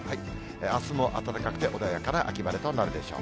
あすも暖かくて、穏やかな秋晴れとなるでしょう。